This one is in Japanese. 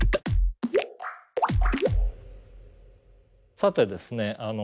さてですね